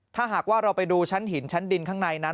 ถ้าหากว่าเราไปดูชั้นหินชั้นดินข้างในนั้น